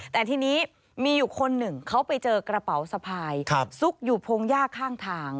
แต่ทีนี้มีอยู่คนหนึ่งเขาไปเจอกระเป๋าสะพายซุกอยู่พงหญ้าข้างทาง